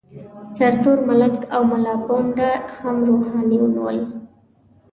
سرتور ملنګ او ملاپوونده هم روحانیون ول.